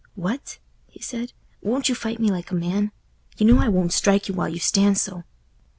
"What!" he said, "won't you fight me like a man? You know I won't strike you while you stand so."